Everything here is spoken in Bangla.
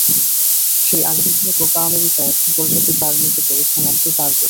সেই আর্জেন্টিনা কোপা আমেরিকায় এখন পর্যন্ত চার ম্যাচে করেছে মাত্র চার গোল।